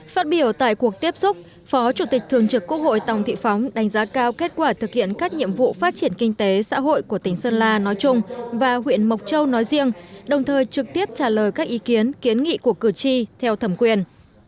phát biểu tại cuộc tiếp xúc phó chủ tịch thường trực quốc hội tòng thị phóng đánh giá cao kết quả thực hiện các nhiệm vụ phát triển kinh tế xã hội của tỉnh sơn la nói chung và huyện mộc châu nói riêng đồng thời trực tiếp trả lời các ý kiến kiến nghị của cử tri theo thẩm quyền